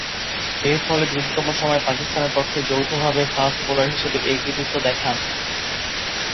এরফলে, দ্রুততম সময়ে পাকিস্তানের পক্ষে যৌথভাবে ফাস্ট বোলার হিসেবে এ কৃতিত্ব দেখান।